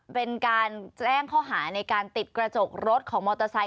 เป็นการแจ้งข้อหาในการติดกระจกรถของมอเตอร์ไซค